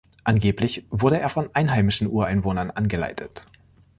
Angeblich wurde er von einheimischen Ureinwohnern angeleitet.